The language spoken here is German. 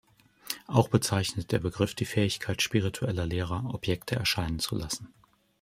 Auch bezeichnet der Begriff die Fähigkeit spiritueller Lehrer, Objekte erscheinen zu lassen.